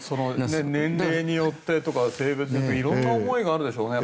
年齢によってとか性別によってとかいろんな思いがあるでしょうね。